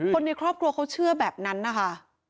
คนในครอบครัวเขาเชื่อแบบนั้นนะคะ